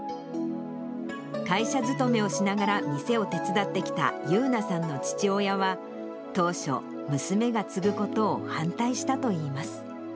会社勤めをしながら店を手伝ってきた優奈さんの父親は、当初、娘が継ぐことを反対したといいます。